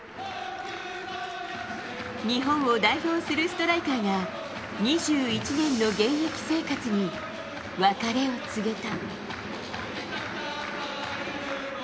日本を代表するストライカーが２１年の現役生活に別れを告げた。